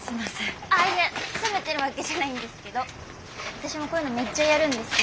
ああいえ責めてるわけじゃないんですけど私もこういうのめっちゃやるんですよ。